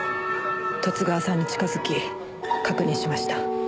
十津川さんに近づき確認しました。